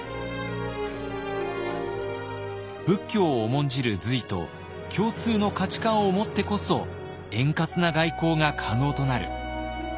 仏教を重んじる隋と共通の価値観を持ってこそ円滑な外交が可能となる。